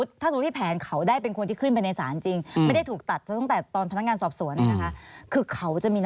คือการสอบของพยาน